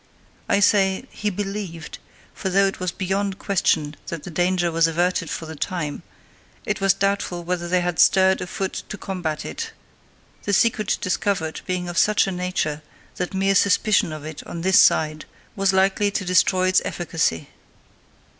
I say "he believed", for though it was beyond question that the danger was averted for the time, it was doubtful whether they had stirred a foot to combat it, the secret discovered being of such a nature that mere suspicion of it on this side was likely to destroy its efficacy.